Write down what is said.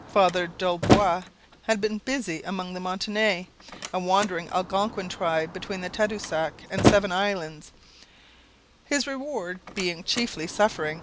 Father d'Olbeau had been busy among the Montagnais, a wandering Algonquin tribe between Tadoussac and Seven Islands, his reward being chiefly suffering.